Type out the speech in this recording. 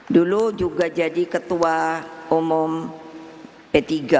dulu juga jadi ketua umum p tiga